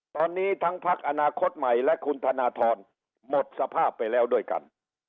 ตอนนี้ทั้งพักอนาคตใหม่และคุณธนทรหมดสภาพไปแล้วด้วยกัน